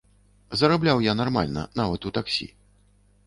Зарабляў я нармальна, нават у таксі.